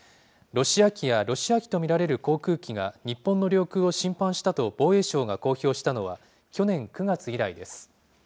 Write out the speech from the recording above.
ロシア機やロシア機と見られる航空機が日本の領空を侵犯したと防衛省が公表したのは、去年９月以来です。